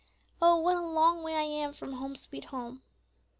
"Oh, what a long way I am from 'Home, sweet Home!'"